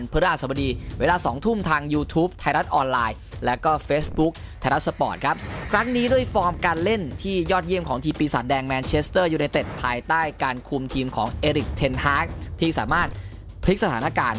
เพื่อจะได้กลับไปตรงนั้น